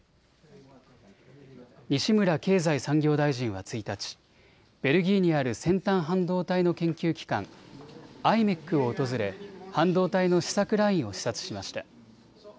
西村経済産業大臣は１日、ベルギーにある先端半導体の研究機関、ｉｍｅｃを訪れ半導体の試作ラインを視察しました。